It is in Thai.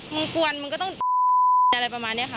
กวนมึงก็ต้องอะไรประมาณนี้ค่ะ